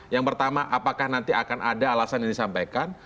yang pertama apakah nanti akan ada alasan yang disampaikan